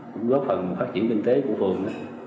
cũng góp phần phát triển kinh tế của phường